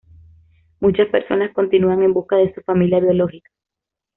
Muchas personas continúan en busca de su familia biológica.